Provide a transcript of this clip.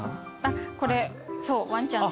これそうワンちゃんの。